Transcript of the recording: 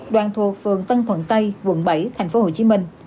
đoạn thuộc phường tân thuận tây quận bảy tp hcm